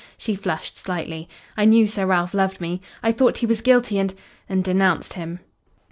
She flushed slightly. "I knew Sir Ralph loved me. I thought he was guilty and and denounced him.